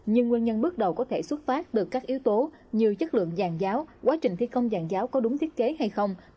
nhưng nguyên nhân bước đầu có thể xuất phát được các yếu tố như chất lượng giàn giáo quá trình thi công giàn giáo có đúng thiết kế hay không